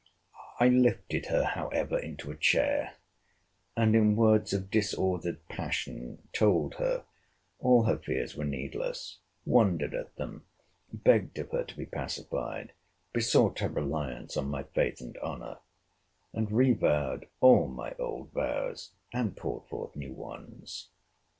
I lifted her, however, into a chair, and in words of disordered passion, told her, all her fears were needless—wondered at them—begged of her to be pacified—besought her reliance on my faith and honour—and revowed all my old vows, and poured forth new ones.